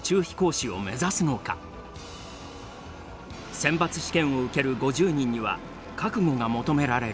選抜試験を受ける５０人には覚悟が求められる。